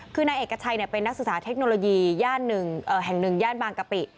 คือนายเอกกระชายเนี่ยเป็นนักศึกษาเทคโนโลยีแห่งหนึ่งแห่งหนึ่งแห่งบางกะปิ